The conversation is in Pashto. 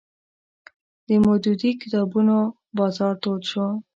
د مودودي کتابونو بازار تود شو